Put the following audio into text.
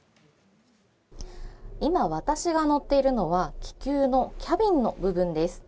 今、私が乗っているのは気球のキャビンの部分です。